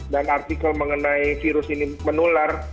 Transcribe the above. dan artikel mengenai virus ini menular